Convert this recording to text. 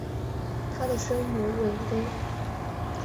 她的生母韦妃。